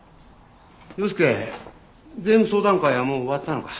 陽介税務相談会はもう終わったのか？